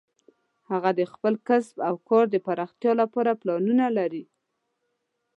هغه د خپل کسب او کار د پراختیا لپاره پلانونه لري